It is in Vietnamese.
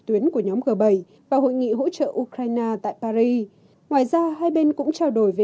tuyến của nhóm g bảy và hội nghị hỗ trợ ukraine tại paris ngoài ra hai bên cũng trao đổi về